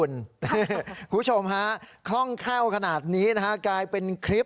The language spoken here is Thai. คุณผู้ชมฮะคล่องแคล่วขนาดนี้นะฮะกลายเป็นคลิป